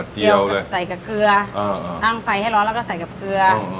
เกี่ยวกับใส่กับเกลือตั้งไฟให้ร้อนแล้วก็ใส่กับเกลือ